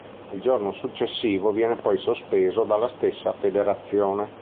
Il giorno successivo viene poi sospeso dalla stessa federazione.